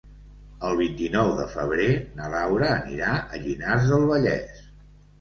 El vint-i-nou de febrer na Laura anirà a Llinars del Vallès.